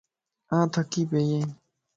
آن ٿڪي پئي ائين